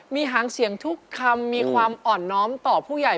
มีหางเสียงทุกคำมีความอ่อนน้อมต่อผู้ใหญ่